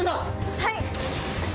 はい！